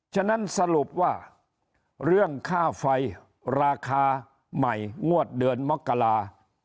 ฉะนั้นสรุปว่าเรื่องค่าไฟราคาใหม่งวดเดือนมกรา